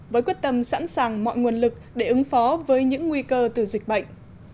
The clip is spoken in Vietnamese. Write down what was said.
với quyết tâm sẵn sàng mọi nguồn lực để ứng phó với những nguy cơ từ dịch bệnh